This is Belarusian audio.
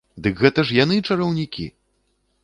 Дык гэта ж яны чараўнікі!